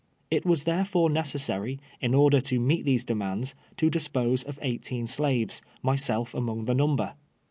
It was therefore necessary, in order to meet these demands, to dispose of eighteen slaves, myself among the number.